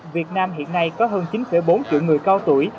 việt nam hiện nay có hơn chín bốn triệu người cao tuổi